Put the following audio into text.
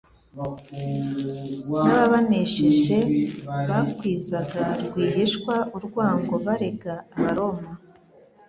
n'ababanesheje bakwizaga rwihishwa urwango barega Abaroma.